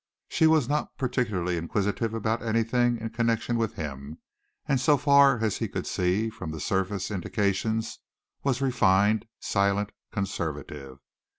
She was not particularly inquisitive about anything in connection with him, and so far as he could see from surface indications was refined, silent, conservative.